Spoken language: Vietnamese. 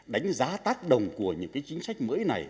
đánh giá tác động của những cái chính sách mới này